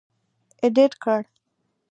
اېډېټ کړ.